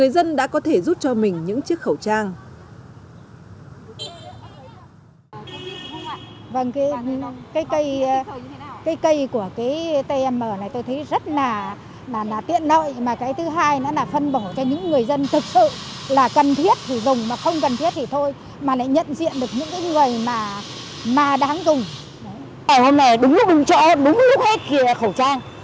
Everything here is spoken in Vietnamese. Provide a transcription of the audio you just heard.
các camera của máy atm là người dân đã có thể rút cho mình những chiếc khẩu trang